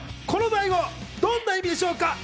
このＤＡＩ語、どんな意味でしょうか？